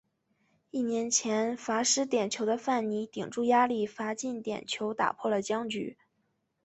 一年前罚失点球的范尼顶住压力罚进点球打破了僵局。